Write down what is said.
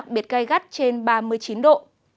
biệt gây gắt trên ba mươi chín độ